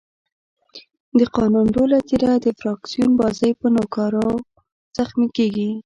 د قانون ټوله څېره د فراکسیون بازۍ په نوکارو زخمي کېږي.